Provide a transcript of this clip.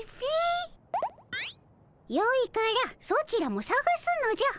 よいからソチらもさがすのじゃ。